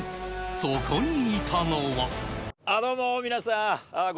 そこにいたのは。